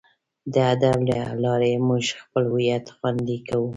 د ادب له لارې موږ خپل هویت خوندي کوو.